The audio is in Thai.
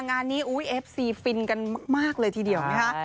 งานนี้เอฟซีฟินกันมากเลยทีเดียวนะคะ